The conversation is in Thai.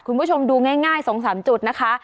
คุณผู้ชมดูง่าย๒๓จุดนะคะ